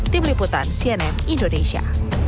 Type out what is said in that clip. tim liputan cnn indonesia